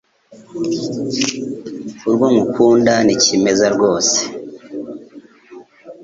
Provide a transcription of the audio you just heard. Urwo ngukunda ni kimeza rwose